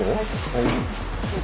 はい。